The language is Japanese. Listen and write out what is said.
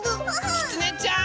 きつねちゃん！